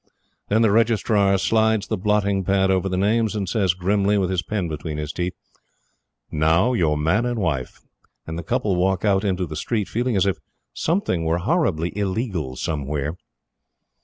Then the Registrar slides the blotting pad over the names, and says grimly, with his pen between his teeth: "Now you're man and wife;" and the couple walk out into the street, feeling as if something were horribly illegal somewhere.